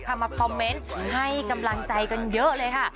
มาคอมเมนต์ให้กำลังใจกันเยอะเลยค่ะ